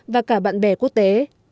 và cả bạn bè quốc tế